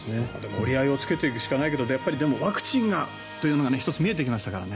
折り合いをつけていくしかないけどやっぱりワクチンがというのが１つ見えてきましたからね。